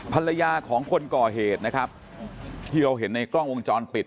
ภรรยาของคนก่อเหตุนะครับที่เราเห็นในกล้องวงจรปิด